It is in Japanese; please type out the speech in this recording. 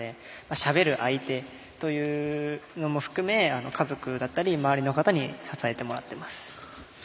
しゃべる相手というのも含め家族だったり周りの方に支えてもらってます。